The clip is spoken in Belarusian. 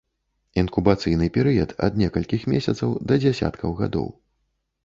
Інкубацыйны перыяд ад некалькіх месяцаў да дзесяткаў гадоў.